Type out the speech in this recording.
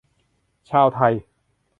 ชาวไทย